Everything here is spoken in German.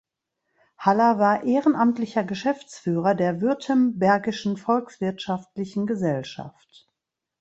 Haller war ehrenamtlicher Geschäftsführer der Württembergischen Volkswirtschaftlichen Gesellschaft.